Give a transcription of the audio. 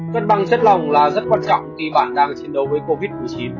cất bằng chất lòng là rất quan trọng khi bạn đang chiến đấu với covid một mươi chín